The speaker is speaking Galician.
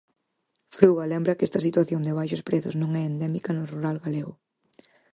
Fruga lembra que esta situación de baixos prezos non é endémica do rural galego.